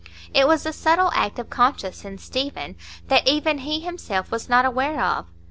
It was a subtle act of conscience in Stephen that even he himself was not aware of.